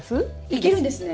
いけるんですね？